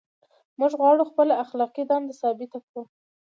موږ غواړو خپله اخلاقي دنده ثابته کړو.